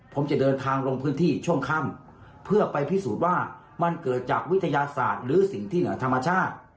ผมจะเดินทางลงพื้นที่ช่วงค่ำเพื่อไปพิสูจน์ว่ามันเกิดจากวิทยาศาสตร์หรือสิ่งที่เหนือธรรมชาติ